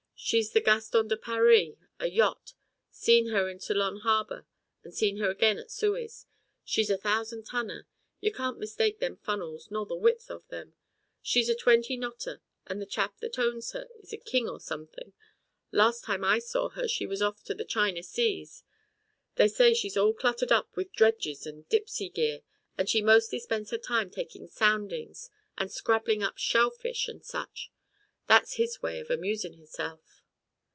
"She's the Gaston de Paree, a yot seen her in T'lon harbour and seen her again at Suez, she's a thousand tonner, y'can't mistake them funnels nor the width of them, she's a twenty knotter and the chap that owns her is a king or somethin'; last time I saw her she was off to the China seas, they say she's all cluttered up with dredges and dipsy gear, and she mostly spends her time takin' soundin's and scrabblin' up shell fish and such that's his way of amusin' himself."